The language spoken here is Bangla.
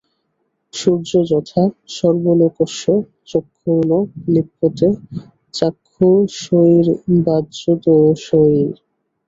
সূর্যো যথা সর্বলোকস্য চক্ষুর্ন লিপ্যতে চাক্ষুষৈর্বাহ্যদোষৈঃ।